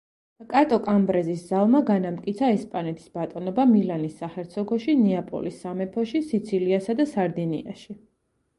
კატო-კამბრეზის ზავმა განამტკიცა ესპანეთის ბატონობა მილანის საჰერცოგოში, ნეაპოლის სამეფოში, სიცილიასა და სარდინიაში.